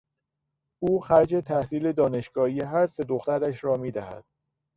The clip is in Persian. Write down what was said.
او خرج تحصیل دانشگاهی هر سه دخترش را میدهد.